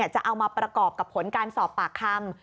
จะเอามาประกอบกับผลการสอบปากคำ